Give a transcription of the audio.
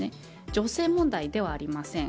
女性問題ではありません。